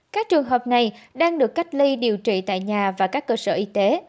các trường hợp này đang được cách ly điều trị tại nhà và các cơ sở y tế